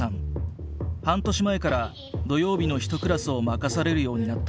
半年前から土曜日の１クラスを任されるようになった。